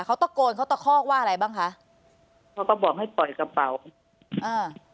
เขาตะโกนเขาตะคอกว่าอะไรบ้างคะเขาก็บอกให้ปล่อยกระเป๋าอ่า